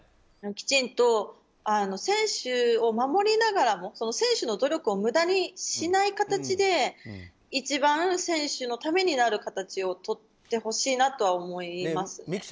きちんと選手を守りながらも選手の努力を無駄にしない形で一番、選手のためになる形をとってほしいなとは思いますね。